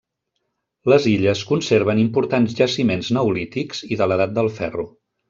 Les illes conserven importants jaciments neolítics i de l'Edat del ferro.